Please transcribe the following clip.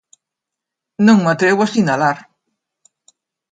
Non me atrevo a sinalar.